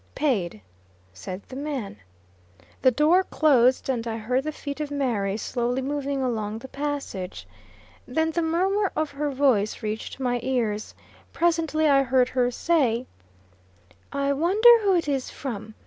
"Paid," said the man. The door closed, and I heard the feet of Mary slowly moving along the passage. Then the murmur of her voice reached my ears. Presently I heard her say: "I wonder who it is from?